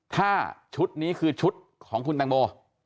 ถ้าชุดนี้คือชุดของคุณตังโม